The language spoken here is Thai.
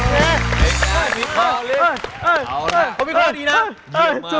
เขามีข้อดีนะ